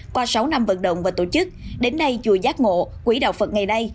qua sáu năm vận động và tổ chức đến nay chùa giác ngộ quỹ đạo phật ngày nay